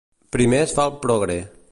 Primer es fa el progre.